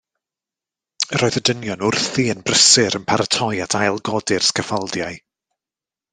Yr oedd y dynion wrthi yn brysur yn paratoi at ail godi'r sgaffaldiau.